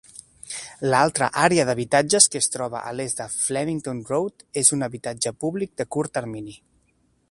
L'altra àrea d'habitatges, que es troba a l'est de Flemington Road, és un habitatge públic de curt termini.